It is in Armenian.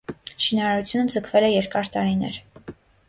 Շինարարությունը ձգվել է երկար տարիներ։